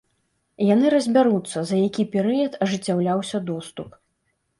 Яны разбяруцца, за які перыяд ажыццяўляўся доступ.